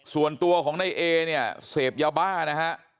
ส่วนตัวของนายเอเนี่ยเสพยาบ้านะฮะ